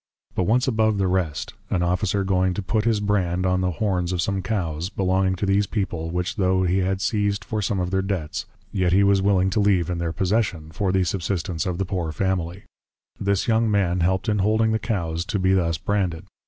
But once above the Rest, an Officer going to put his Brand on the Horns of some Cows, belonging to these people, which tho' he had siez'd for some of their debts, yet he was willing to leave in their possession, for the subsistance of the poor Family; this young man help'd in holding the Cows to be thus branded.